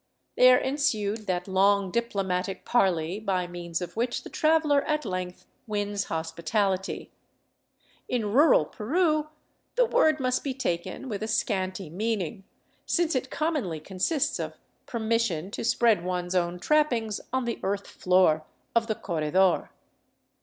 There ensued that long, diplomatic parley by means of which the traveler at length wins hospitality — in rural Peru the word must be taken with a 349 VAGABONDING DOWN THE ANDES scanty meaning, since it commonly consists of permission to spread one's own trappings on the earth floor of the corredor.